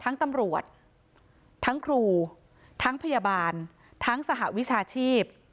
ตำรวจทั้งครูทั้งพยาบาลทั้งสหวิชาชีพ